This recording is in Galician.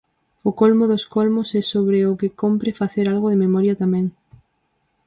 O colmo dos colmos e sobre o que cómpre facer algo de memoria tamén.